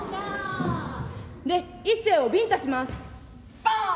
で一清をビンタします。